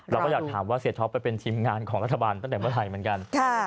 เราก็อยากถามว่าเสียท็อปไปเป็นทีมงานของรัฐบาลตั้งแต่เมื่อไทยเหมือนกัน